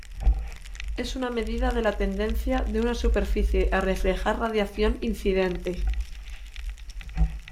Es una medida de la tendencia de una superficie a reflejar radiación incidente.